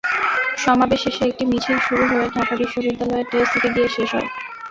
সমাবেশ শেষে একটি মিছিল শুরু হয়ে ঢাকা বিশ্ববিদ্যালয়ের টিএসসিতে গিয়ে শেষ হয়।